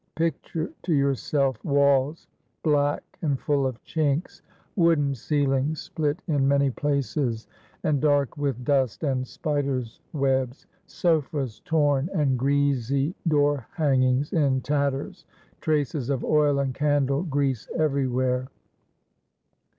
Picture to yourself walls black and full of chinks, wooden ceilings, split in many places and dark with dust and spiders' webs, sofas torn and greasy, door hangings in tatters, traces of oil and candle grease everywhere.